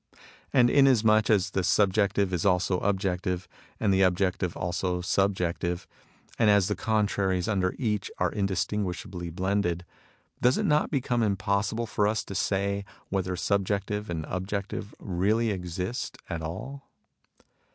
'' And inasmuch as the subjective is also objective, and the objective also subjective, and as the contraries under each are indistin guishably blended, does it not become impossible for us to say whether subjective and objective really exist at all